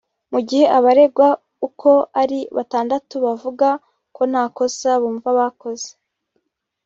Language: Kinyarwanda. Mu gihe abaregwa uko ari batandatu bavuga ko nta kosa bumva bakoze